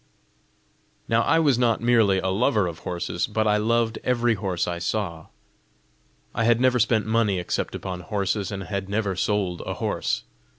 Now I was not merely a lover of horses, but I loved every horse I saw. I had never spent money except upon horses, and had never sold a horse.